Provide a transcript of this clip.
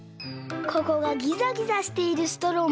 ここがギザギザしているストローもありますよね。